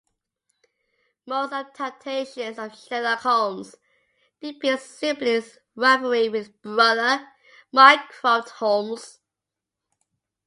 Most adaptations of Sherlock Holmes depicts sibling rivalry with his brother, Mycroft Holmes.